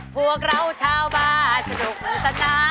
พวกเราชาวบาส